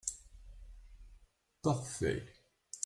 parfait.